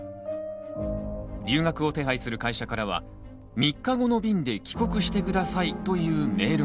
留学を手配する会社からは「３日後の便で帰国してください」というメールが。